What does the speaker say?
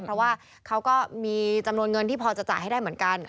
เพราะว่าเขาก็มีจำนวนเงินที่พอจะจ่ายให้ได้เหมือนกัน